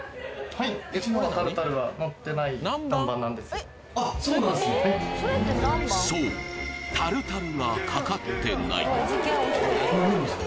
はいそうタルタルがかかってない何でなんすか？